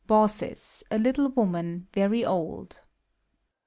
BAUCIS (a little woman, very old).